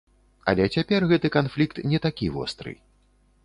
Але цяпер гэты канфлікт не такі востры.